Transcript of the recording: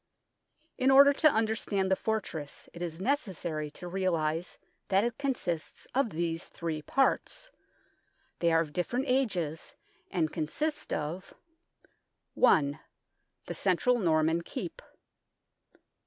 In order to understand the fortress, it is necessary to realize that it consists of these three parts. They are of different ages, and consist of : 1. The central Norman Keep.